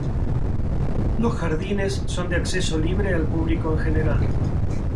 Los jardines son de acceso libre al público en general.